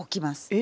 え